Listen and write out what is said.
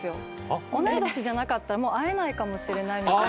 同い年じゃなかったらもう会えないかもしれない。